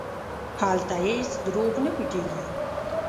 هلته هېڅ دروغ نه پټېږي.